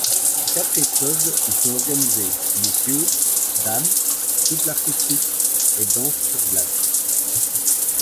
Quatre épreuves y sont organisées: messieurs, dames, couples artistiques et danse sur glace.